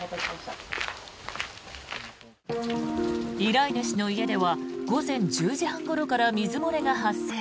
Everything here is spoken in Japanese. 依頼主の家では午前１０時半ごろから水漏れが発生。